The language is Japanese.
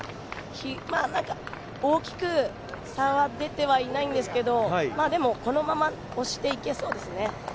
まだ大きく差は出てはいないんですけどでも、このまま押していけそうですね。